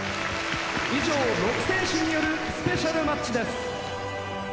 以上６選手によるスペシャルマッチです。